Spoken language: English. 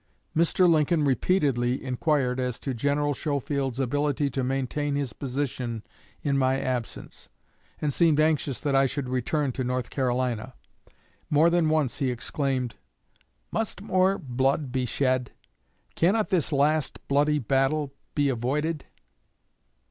Mr. Lincoln repeatedly inquired as to General Schofield's ability to maintain his position in my absence, and seemed anxious that I should return to North Carolina. More than once he exclaimed, 'Must more blood be shed? Cannot this last bloody battle be avoided?'